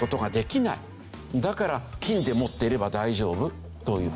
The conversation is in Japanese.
だから金で持っていれば大丈夫という。